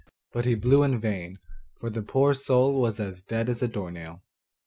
But he blew in vain, for the poor soul was as dead as a door nail.